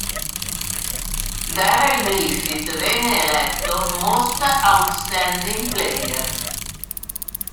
Darrell Griffith venne eletto Most Outstanding Player.